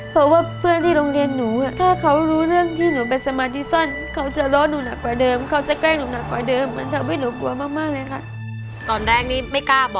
เพราะว่าเพื่อนที่โรงเรียนหนูถ้าเขารู้เรื่องที่หนูเป็นสมาธิสั้นเขาจะล้อหนูหนักกว่าเดิมเขาจะแกล้งหนูหนักกว่าเดิมมันทำให้หนูกลัวมากเลยค่ะ